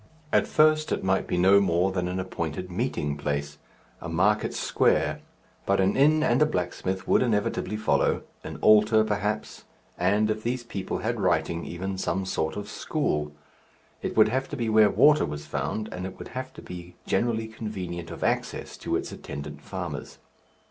At first it might be no more than an appointed meeting place, a market square, but an inn and a blacksmith would inevitably follow, an altar, perhaps, and, if these people had writing, even some sort of school. It would have to be where water was found, and it would have to be generally convenient of access to its attendant farmers.